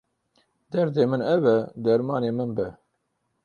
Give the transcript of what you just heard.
Derdê min ev e, dermanê min be.